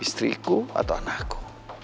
istriku atau anakku